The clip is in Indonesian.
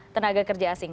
tenaga kerja asing